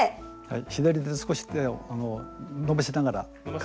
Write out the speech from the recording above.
左で少し手を伸ばしながら片方の。